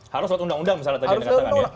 harus lewat undang undang